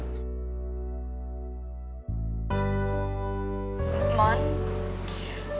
jangan lupa ngebantuin aku